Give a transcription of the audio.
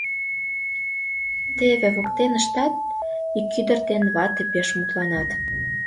Теве воктеныштак ик ӱдыр ден вате пеш мутланат.